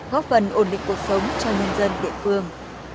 góp phần ổn định cuộc sống cho nhân dân địa phương